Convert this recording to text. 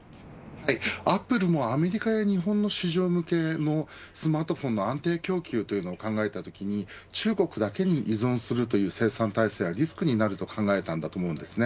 アップルもアメリカや日本の市場向けのスマートフォンの安定供給を考えたときに中国だけに依存する生産体制はリスクになると考えたのだと思います。